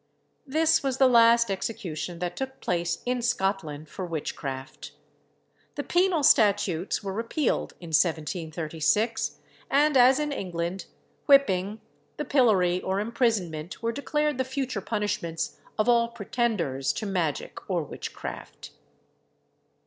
This was the last execution that took place in Scotland for witchcraft. The penal statutes were repealed in 1736; and, as in England, whipping, the pillory, or imprisonment, were declared the future punishments of all pretenders to magic or witchcraft.